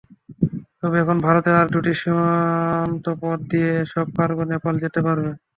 তবে এখন ভারতের আরও দুটি সীমান্তপথ দিয়ে এসব কার্গো নেপালে যেতে পারবে।